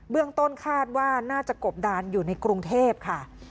เรื่องต้นคาดว่าน่าจะกบดานอยู่ในกรุงเทพค่ะ